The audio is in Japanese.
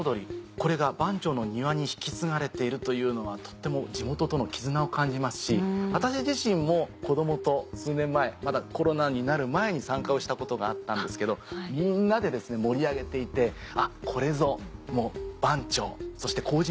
これが番町の庭に引き継がれているというのはとっても地元との絆を感じますし私自身も子供と数年前まだコロナになる前に参加をしたことがあったんですけどみんなで盛り上げていてこれぞ番町そして麹町。